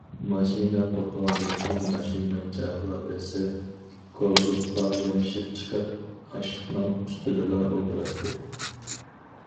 ماشىنا توختىغاندىن كېيىن، ماشىنىنىڭ چاقىغا دەسسەپ كوزۇپقا يامىشىپ چىقىپ، ئاشلىقنىڭ ئۈستىدىلا ئولتۇراتتى.